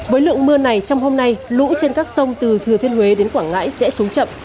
với lượng mưa này trong hôm nay lũ trên các sông từ thừa thiên huế đến quảng ngãi sẽ xuống chậm